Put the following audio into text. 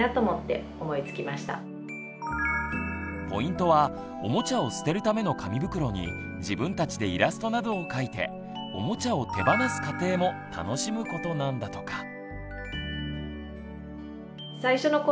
ポイントはおもちゃを捨てるための紙袋に自分たちでイラストなどを描いておもちゃを手放す過程も楽しむことなんだとか。